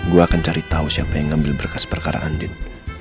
gue akan cari tahu siapa yang ngambil berkas perkara andin